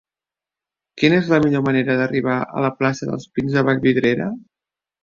Quina és la millor manera d'arribar a la plaça dels Pins de Vallvidrera?